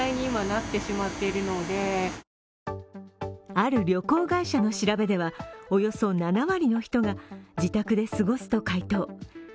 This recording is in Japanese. ある旅行会社の調べでは、およそ７割の人が自宅で過ごすと回答。